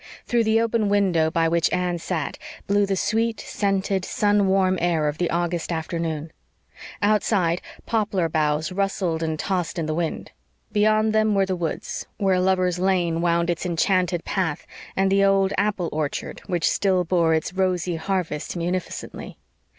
Through the open window, by which Anne sat, blew the sweet, scented, sun warm air of the August afternoon; outside, poplar boughs rustled and tossed in the wind; beyond them were the woods, where Lover's Lane wound its enchanted path, and the old apple orchard which still bore its rosy harvests munificently.